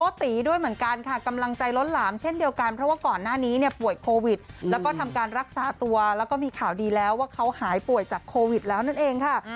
ตีด้วยเหมือนกันค่ะกำลังใจล้นหลามเช่นเดียวกันเพราะว่าก่อนหน้านี้เนี่ยป่วยโควิดแล้วก็ทำการรักษาตัวแล้วก็มีข่าวดีแล้วว่าเขาหายป่วยจากโควิดแล้วนั่นเองค่ะ